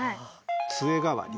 つえ代わり。